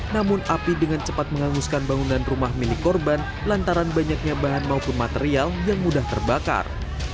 namun api dengan cepat menghanguskan bangunan rumah milik korban lantaran banyaknya bahan maupun material yang mudah terbakar